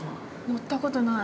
◆乗ったことない。